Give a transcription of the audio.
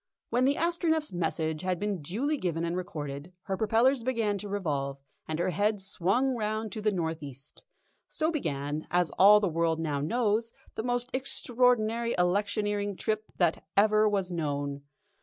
When the Astronef's message had been duly given and recorded, her propellers began to revolve, and her head swung round to the north east. So began, as all the world now knows, the most extraordinary electioneering trip that ever was known.